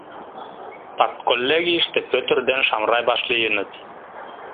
Партколлегийыште Пӧтыр ден Шамрай вашлийыныт.